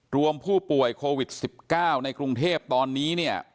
รวมผู้ป่วยโควิด๑๙ในกรุงเทพตอนนี้เนี่ย